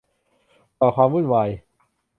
ก่อความวุ่นวาย